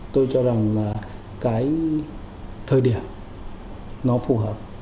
tôi cho rằng là cái thời điểm nó phù hợp